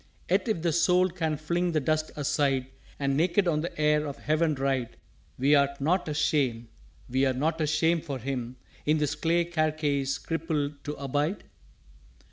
"_Yet if the Soul can fling the Dust aside And naked on the air of Heaven ride, Wer't not a shame wer't not a shame for him In this clay carcase crippled to abide?